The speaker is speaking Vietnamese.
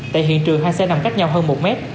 tại hiện trường hai xe nằm cách nhau hơn một mét